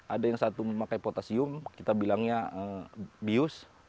ada yang satu memakai potasium kita bilangnya bius